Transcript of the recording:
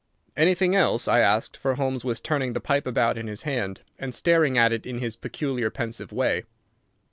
"Anything else?" I asked, for Holmes was turning the pipe about in his hand, and staring at it in his peculiar pensive way.